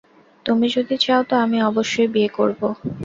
তুমি যদি চাও তো আমি অবশ্যই বিয়ে করবো।